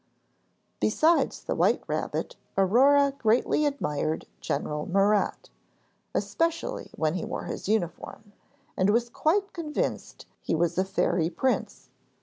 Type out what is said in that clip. Besides the white rabbit, Aurore greatly admired General Murat (especially when he wore his uniform) and was quite convinced he was a fairy prince.